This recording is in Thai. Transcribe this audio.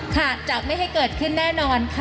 ค่ะจะไม่ให้เกิดขึ้นแน่นอนค่ะ